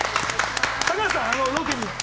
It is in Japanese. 高橋さん、ロケに行って。